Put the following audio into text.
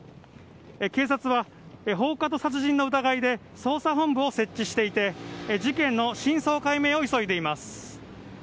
警察は放火と殺人の疑いで捜査本部を設置していて事件の真相解明を急いでいます。